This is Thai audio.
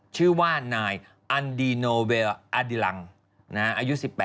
ชื่อว่านายอันดีโนเวลอดิลังอายุ๑๘